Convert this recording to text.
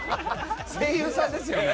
声優さんですよね。